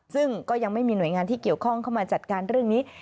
ซึ่งก็ยังไม่มีหน่วยงานที่เกี่ยวข้องเข้ามาจัดการเรื่องนี้